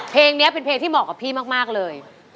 เพลงนี้เป็นเพลงที่เหมาะกับพี่มากเลย